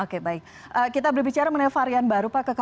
oke baik kita berbicara mengenai varian baru pak